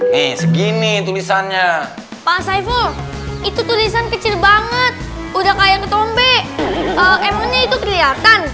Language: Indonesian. nih segini tulisannya pak saiful itu tulisan kecil banget udah kayak tombek emangnya itu kelihatan